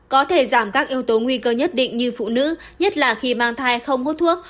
có thể giảm các yếu tố nguy cơ nhất định như phụ nữ nhất là khi mang thai không hút thuốc